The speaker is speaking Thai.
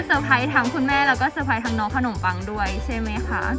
สบายทั้งคุณแม่แล้วก็สบายทั้งน้องขนมปังด้วยใช่ไหมคะ